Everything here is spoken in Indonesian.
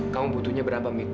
kamu butuhnya berapa mit